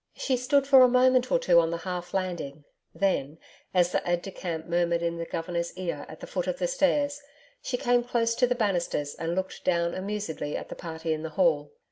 She stood for a moment or two on the half landing, then, as the aide de camp murmured in the Governor's ear at the foot of the stairs, she came close to the bannisters and looked down amusedly at the party in the hall.